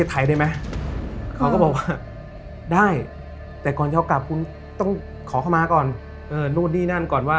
เฮ้ยเขาไม่เอาแล้วเค้ากลัว